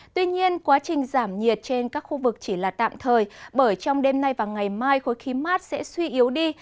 tuy nhiên quá trình giảm nhiệt trên các khu vực chỉ là tạm thời bởi trong đêm nay và ngày mai khối khí mát sẽ suy yếu đi